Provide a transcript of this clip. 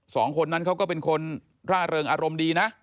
สองคนนั้นเขาก็เป็นคนร่าเริงอารมณ์ดีนะ